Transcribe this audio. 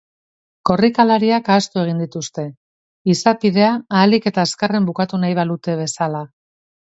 Korrikalariak ahaztu egin dituzte, izapidea ahalik eta azkarren bukatu nahi balute bezala.